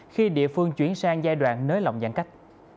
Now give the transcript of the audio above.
khi địa phương chuyển sang giai đoạn nới lỏng giãn cách